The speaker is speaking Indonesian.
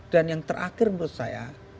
dan yang terakhir menurut saya